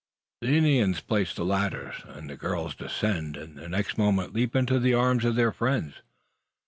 The Indians place the ladders. The girls descend, and the next moment leap into the arms of their friends.